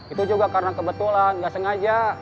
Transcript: itu juga karena kebetulan nggak sengaja